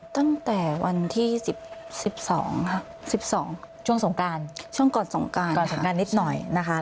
ตั้งแต่วันที่๑๒ช่วงสงการช่วงก่อนสงการนิดหน่อยนะคะ